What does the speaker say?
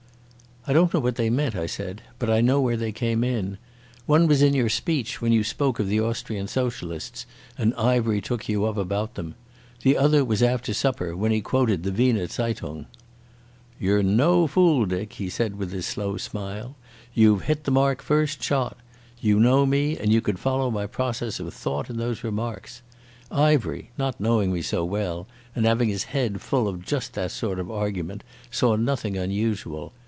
"I don't know what they meant," I said, "but I know where they came in. One was in your speech when you spoke of the Austrian socialists, and Ivery took you up about them. The other was after supper when he quoted the Weser Zeitung." "You're no fool, Dick," he said, with his slow smile. "You've hit the mark first shot. You know me and you could follow my process of thought in those remarks. Ivery, not knowing me so well, and having his head full of just that sort of argument, saw nothing unusual.